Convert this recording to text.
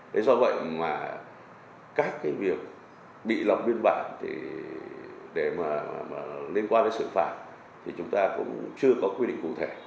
thế do vậy mà các cái việc bị lọc biên bản thì để mà liên quan đến xử phạt thì chúng ta cũng chưa có quy định cụ thể